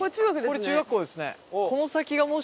これ中学校ですね。